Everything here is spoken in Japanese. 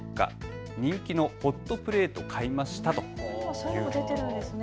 そういうの出ているんですね。